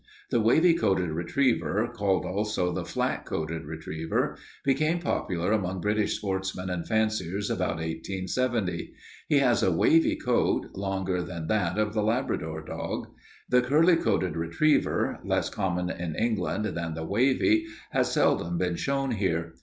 The wavy coated retriever, called also the flat coated retriever, became popular among British sportsmen and fanciers about 1870. He has a wavy coat, longer than that of the Labrador dog. The curly coated retriever, less common in England than the wavy, has seldom been shown here.